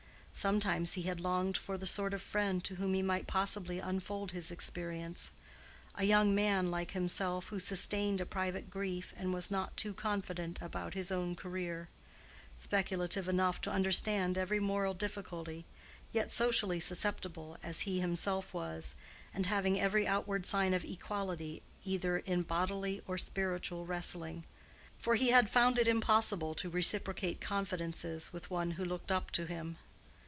Sometimes he had longed for the sort of friend to whom he might possibly unfold his experience: a young man like himself who sustained a private grief and was not too confident about his own career; speculative enough to understand every moral difficulty, yet socially susceptible, as he himself was, and having every outward sign of equality either in bodily or spiritual wrestling—for he had found it impossible to reciprocate confidences with one who looked up to him.